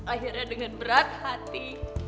akhirnya dengan berat hati